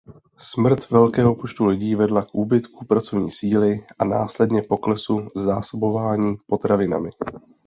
Smrt velkého počtu lidí vedla k úbytku pracovní síly a následně poklesu zásobování potravinami.